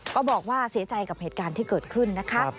ก็บอกว่าเสียใจกับเหตุการณ์ที่เกิดขึ้นนะคะ